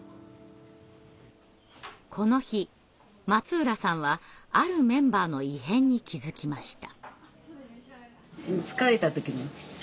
この日松浦さんはあるメンバーの異変に気づきました。